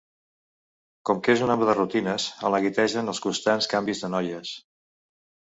Com que és un home de rutines, el neguitegen els constants canvis de noies.